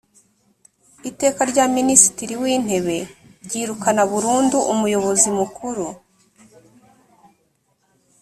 iteka rya minisitiri w intebe ryirukana burundu umuyobozi mukuru